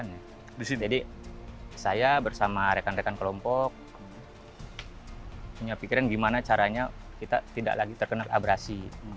jadi saya bersama rekan rekan kelompok punya pikiran gimana caranya kita tidak lagi terkena abrasi